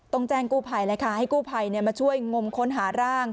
ตรงแจงกู้ไผ่เลยค่ะให้กู้ไผ่มาช่วยงมคนหาร่าง